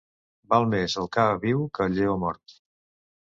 Val més el ca viu que el lleó mort.